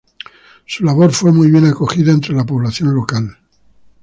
Su labor fue muy bien acogida entre la población local.